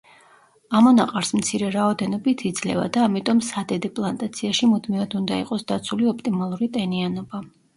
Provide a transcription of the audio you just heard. ამონაყარს მცირე რაოდენობით იძლევა და ამიტომ სადედე პლანტაციაში მუდმივად უნდა იყოს დაცული ოპტიმალური ტენიანობა.